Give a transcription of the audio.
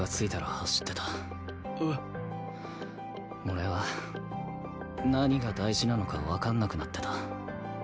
俺は何が大事なのかわかんなくなってた。